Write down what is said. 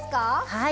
はい。